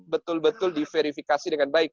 betul betul diverifikasi dengan baik